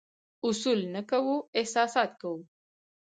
اصول نه کوو، احساسات کوو.